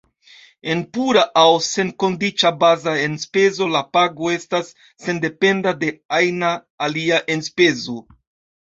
En pura aŭ senkondiĉa baza enspezo la pago estas sendependa de ajna alia enspezo.